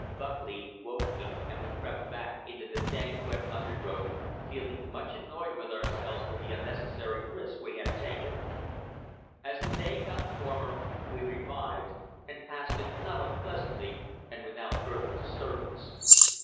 Buckley woke me, and we crept back into the dank wet undergrowth, feeling much annoyed with ourselves for the unnecessary risk we had taken. As the day got warmer we revived, and passed it not unpleasantly, and without further disturbance.